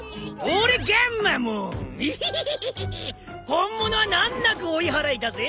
本物は難なく追い払えたぜ！